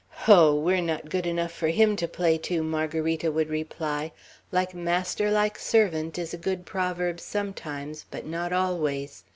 "Ho! we're not good enough for him to play to!" Margarita would reply; "'Like master, like servant,' is a good proverb sometimes, but not always.